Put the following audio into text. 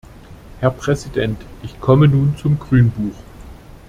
Herr Präsident, ich komme nun zum Grünbuch.